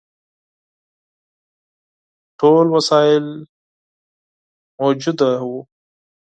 ټول وسایل موجود وه.